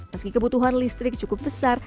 meski kebutuhan listrik cukup besar